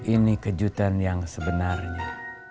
ini kejutan yang sebenarnya